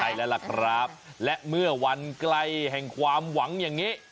ใช่แล้วล่ะครับและเมื่อวันใกล้แห่งความหวังอย่างนี้